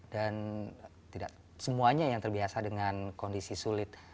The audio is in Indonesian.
dan tidak semuanya yang terbiasa dengan kondisi sulit